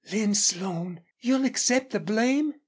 "Lin Slone you'll accept the blame!"